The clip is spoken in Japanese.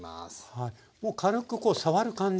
はいもう軽くこう触る感じ？